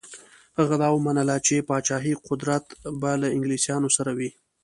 هغه دا ومنله چې پاچهي قدرت به له انګلیسیانو سره وي.